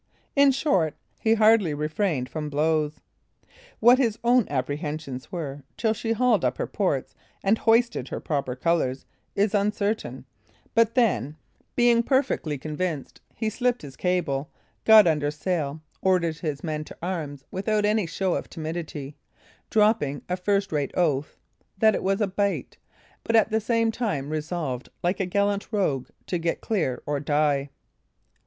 In short, he hardly refrained from blows. What his own apprehensions were, till she hauled up her ports and hoisted her proper colors, is uncertain; but then, being perfectly convinced, he slipped his cable, got under sail, ordered his men to arms without any show of timidity, dropping a first rate oath, that it was a bite, but at the same time resolved, like a gallant rogue, to get clear or die.